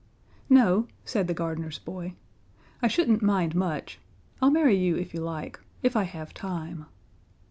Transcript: "No," said the gardener's boy. "I shouldn't mind much. I'll marry you if you like if I have time."